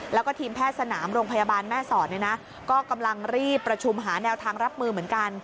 แล้วก็ทีมแพทย์สนามโรงพยาบาลแม่สอดเนี่ยนะก็กำลังรีบประชุมหาแนวทางรับมือเหมือนกัน